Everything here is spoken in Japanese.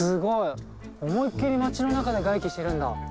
思いっきり街の中で外気してるんだ！